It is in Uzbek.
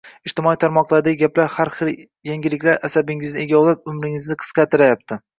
Ijtimoiy tarmoqlardagi gaplar, har xil yangiliklar asabimizni egovlab, umrimizni qisqartirayapti